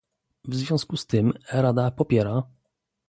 W związku z tym Rada popiera